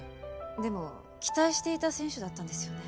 でも期待していた選手だったんですよね？